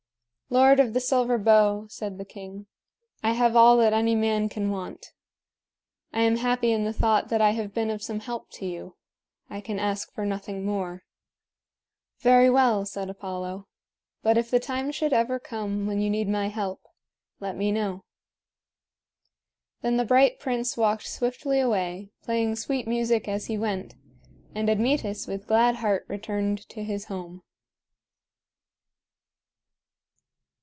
"Lord of the Silver Bow," said the king, "I have all that any man can want. I am happy in the thought that I have been of some help to you. I can ask for nothing more." "Very well," said Apollo; "but if the time should ever come when you need my help, let me know." Then the bright prince walked swiftly away, playing sweet music as he went; and Admetus with glad heart returned to his home.